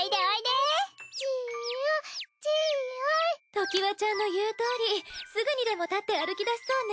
ときわちゃんの言うとおりすぐにでも立って歩き出しそうね。